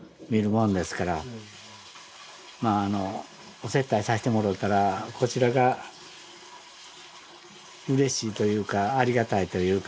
お接待さしてもろうたらこちらがうれしいというかありがたいというか